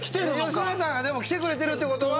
野家さんがでも来てくれてるって事は。